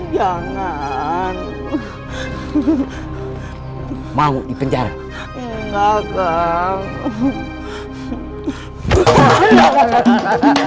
kalau kamu ditangkap polisi kamu bisa dipenjara